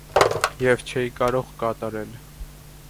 և չէի կարող կատարել…